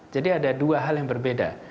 jadi ada dua hal yang berbeda